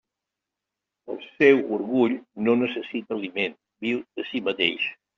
El seu orgull no necessita aliment; viu de si mateix.